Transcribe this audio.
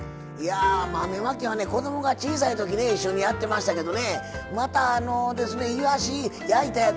豆まきはね子供が小さいときに一緒にやってましたけどまた、いわし焼いたやつ